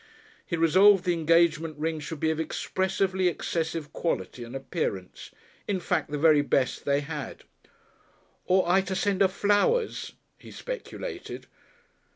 He resolved the engagement ring should be of expressively excessive quality and appearance, in fact, the very best they had. "Ought I to send 'er flowers?" he speculated.